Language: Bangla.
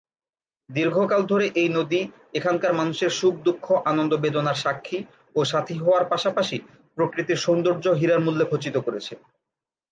দীর্ঘকাল ধরে এই নদী এখানকার মানুষের সুখ-দুঃখ আনন্দ বেদনার স্বাক্ষী ও সাথী হওয়ার পাশাপাশি প্রকৃতির সৌন্দর্য হীরার মূল্যে খচিত করেছে।